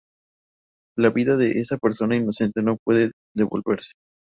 La vida de esa persona inocente no puede devolverse.